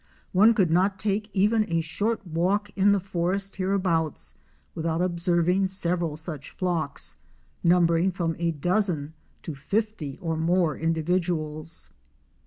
One could not take even a short walk in the forest hereabouts without observing several such flocks, numbering from a dozen to fifty or more individuals.